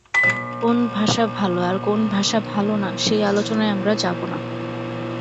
কোন ভাষা ভালো আর কোন ভাষা ভালো না, সেই আলোচনায় আমরা যাবো না।